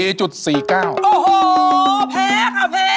โอ้โหแพ้ค่ะแพ้